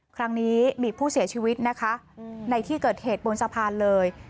ครั้งนี้มีผู้เสียชีวิตนะคะในที่เกิดเหตุบนสะพานเลย